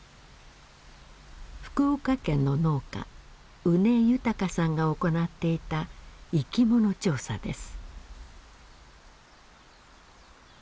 福岡県の農家宇根豊さんが行っていた生き物調査です。